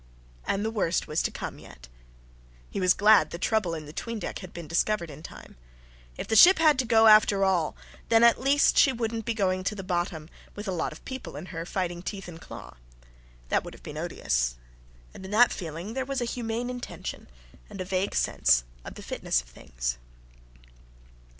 And the worst was to come yet! He was glad the trouble in the 'tween deck had been discovered in time. If the ship had to go after all, then, at least, she wouldn't be going to the bottom with a lot of people in her fighting teeth and claw. That would have been odious. And in that feeling there was a humane intention and a vague sense of the fitness of things.